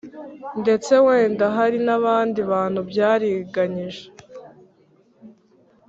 ndetse wenda hari n'abandi bantu byariganyije